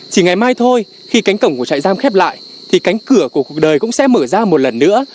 chỉ ngày mai thôi khi cánh cổng của trại giam khép lại thì cánh cửa của cuộc đời cũng sẽ mở ra một lần nữa